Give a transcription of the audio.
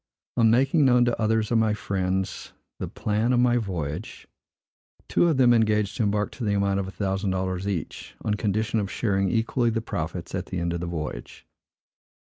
On making known to others of my friends the plan of my voyage, two of them engaged to embark to the amount of a thousand dollars each, on condition of sharing equally the profits at the end of the voyage.